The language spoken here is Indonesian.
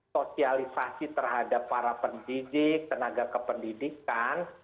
sosialisasi terhadap para pendidik tenaga kependidikan